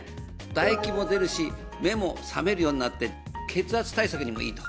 唾液も出るし目も覚めるようになって血圧対策にもいいと。